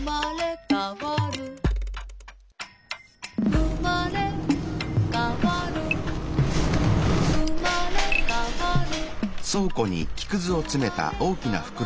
「うまれかわるうまれかわる」